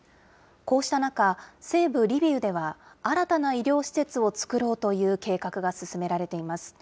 こうした中、西部リビウでは、新たな医療施設を作ろうという計画が進められています。